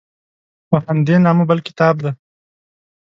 په همدې نامه بل کتاب ده.